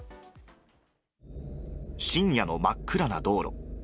深夜の真っ暗な道路。